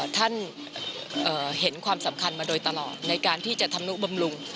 ท่านเห็นความสำคัญมาโดยตลอดในการที่จะทำนุบำรุง